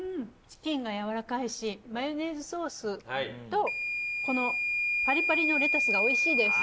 チキンがやわらかいしマヨネーズソースとこのパリパリのレタスが美味しいです。